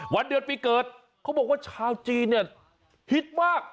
วันเดือนปีเกิดเขาบอกว่าชาวจีนเนี่ยฮิตมาก